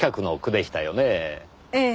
ええ。